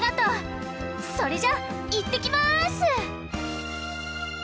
それじゃあいってきます！